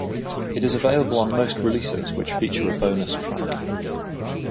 It is available on most releases which feature a bonus track.